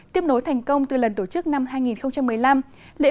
tiếp nối thành công từ lần tổ chức nghệ thuật dân gian của bạc liêu